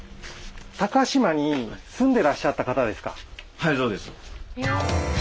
はいそうです。